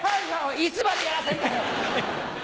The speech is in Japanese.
いつまでやらせるんだよ！